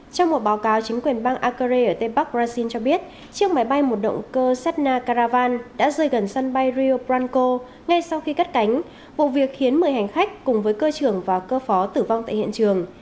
trong một báo cáo chính quyền bang acre ở tây bắc brazil cho biết chiếc máy bay một động cơ sedna caravan đã rơi gần sân bay rio branco ngay sau khi cắt cánh vụ việc khiến một mươi hành khách cùng với cơ trưởng và cơ phó tử vong tại hiện trường